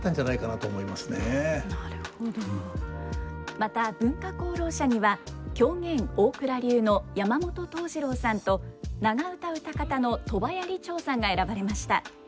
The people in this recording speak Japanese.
また文化功労者には狂言大蔵流の山本東次郎さんと長唄唄方の鳥羽屋里長さんが選ばれました。